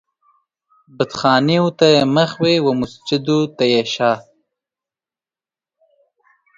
بتخانې و ته يې مخ وي و مسجد و ته يې شا